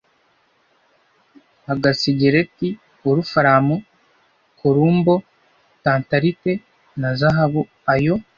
nka gasegereti, wolufaramu, columbo-tantalite na zahabu. ayo